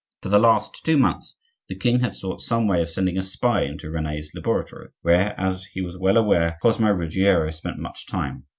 For the last two months the king had sought some way of sending a spy into Rene's laboratory, where, as he was well aware, Cosmo Ruggiero spent much time.